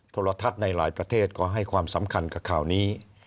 โทรทัศน์ในหลายประเทศก็ให้ความสำคัญกับข่าวนี้